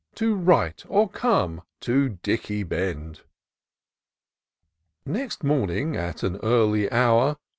To write, or come, to Dicky Bend. Next morning, at an early hour.